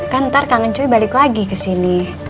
kan ntar kangen cuy balik lagi ke sini